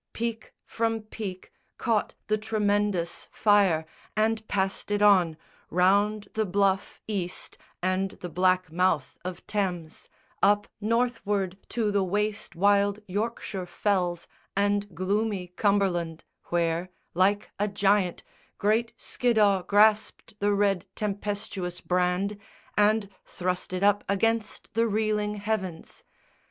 Peak from peak Caught the tremendous fire, and passed it on Round the bluff East and the black mouth of Thames, Up, northward to the waste wild Yorkshire fells And gloomy Cumberland, where, like a giant, Great Skiddaw grasped the red tempestuous brand, And thrust it up against the reeling heavens.